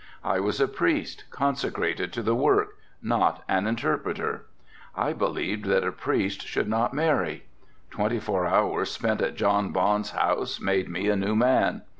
I was a priest consecrated to the work, not an interpreter. I believed that a priest should not marry. Twenty four hours spent at John Bond's house made me a new man.